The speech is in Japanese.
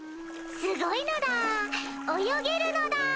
すごいのだ泳げるのだ。